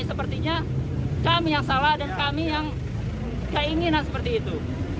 sepertinya kami yang salah dan kami yang keinginan seperti itu